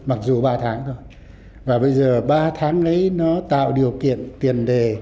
mặc dù ba tháng thôi và bây giờ ba tháng lấy nó tạo điều kiện tiền đề